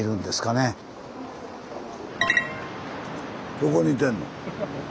どこにいてんの？